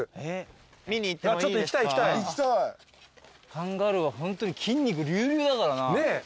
カンガルーはホントに筋肉隆々だからな。